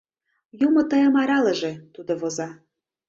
Юмо тыйым аралыже», – тудо воза...